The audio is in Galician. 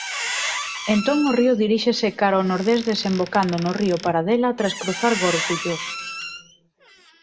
Entón o río diríxese cara o nordés desembocando no río Paradela tras cruzar Gorgullos.